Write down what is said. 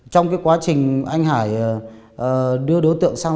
trong quá trình anh hải đưa đối tượng sang xe